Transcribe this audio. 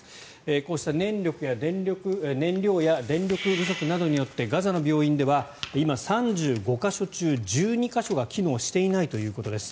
こうした燃料や電力不足などによってガザの病院では今３５か所中１２か所が機能していないということです。